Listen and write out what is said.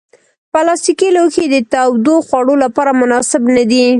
پلاستيکي لوښي د تودو خوړو لپاره مناسب نه دي.